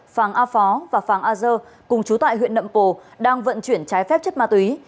phàng a phó và phàng a dơ cùng chú tại huyện nậm pồ đang vận chuyển trái phép chất ma túy